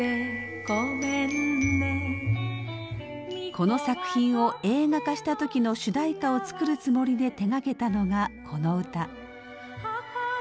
この作品を映画化した時の主題歌を作るつもりで手がけたのがこの歌。